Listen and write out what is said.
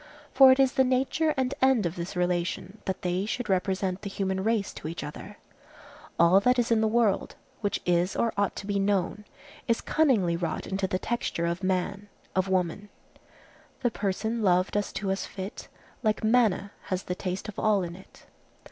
For it is the nature and end of this relation, that they should represent the human race to each other. All that is in the world, which is or ought to be known, is cunningly wrought into the texture of man, of woman:— "The person love does to us fit, Like manna, has the taste of all in it."